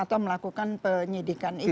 atau melakukan penyidikan itu